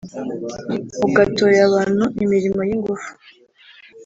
ugatoya abantu imirimo yingufu.